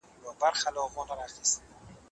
دولت د تاسیس لپاره اخلاقو ته اړتیا لري.